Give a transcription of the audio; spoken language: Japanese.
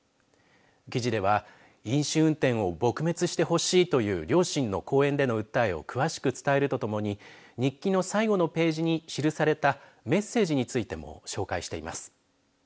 記事では飲酒運転を撲滅してほしいという両親の講演での訴えを詳しく伝えるとともに日記の最後のページに記されたメッセージについても紹介しています。